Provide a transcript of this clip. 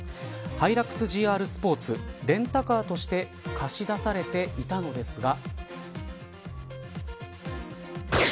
ハイラックスＧＲスポーツレンタカーとして貸し出されていたのですが。